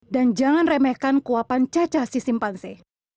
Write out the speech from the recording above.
dan jangan remehkan kuapan caca si cimpansi